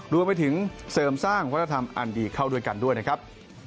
รวมไปถึงเสริมสร้างวัฒนธรรมอันดีเข้าด้วยกันด้วยนะครับ